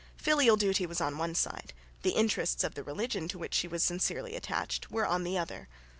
Filial duty was on one side. The interests of the religion to which she was sincerely attached were on the other.